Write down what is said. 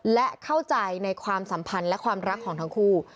และเข้าใจในความสัมพันธ์และความรักของทั้งคู่